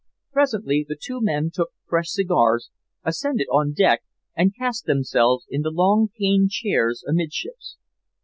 "Presently the two men took fresh cigars, ascended on deck, and cast themselves in the long cane chairs amidships.